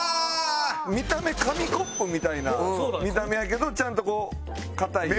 見た目紙コップみたいな見た目やけどちゃんとこう硬い。